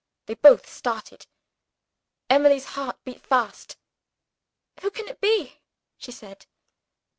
They both started. Emily's heart beat fast. "Who can it be?" she said.